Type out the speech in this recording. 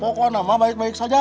pokoknya nama baik baik saja